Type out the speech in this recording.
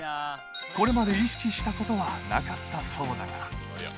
これまで意識したことはなかったそうだが。